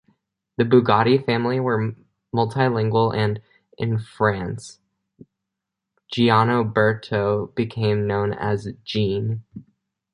The Bugatti family were multilingual and in France, Gianoberto became known as Jean.